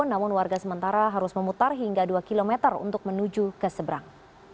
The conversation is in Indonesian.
namun warga sementara harus memutar hingga dua km untuk menuju ke seberang